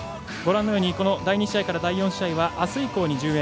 第２試合から第４試合はあす以降に順延。